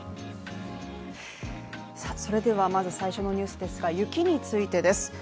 それではまず最初のニュースですが雪についてです。